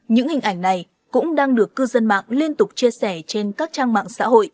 những hình ảnh này cũng đang được cư dân mạng liên tục chia sẻ trên các trang mạng